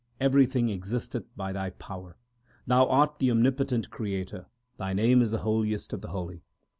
Everything existeth by Thy power ; Thou art the omni potent Creator ; Thy name is the holiest of the holy.